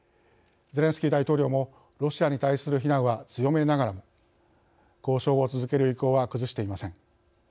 ゼレンスキー大統領もロシアに対する非難は強めながらも交渉を続ける意向は崩していません。